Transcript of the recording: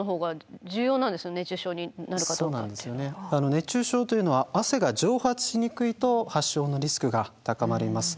熱中症というのは汗が蒸発しにくいと発症のリスクが高まります。